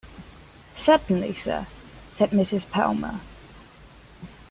"Certainly, sir," said Mrs. Palmer.